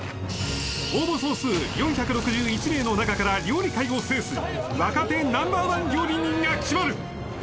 応募総数４６１名の中から料理界を制す若手Ｎｏ．１料理人が決まる！